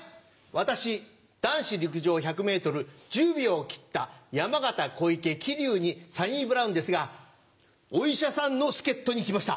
私男子陸上１００ｍ１０秒を切った山縣小池桐生にサニブラウンですがお医者さんの助っ人に来ました。